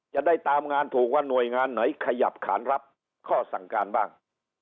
จะได้ตามงานถูกว่าหน่วยงานไหนขยับขานรับข้อสั่งการบ้าง